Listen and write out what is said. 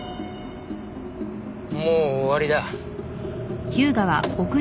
もう終わりだ。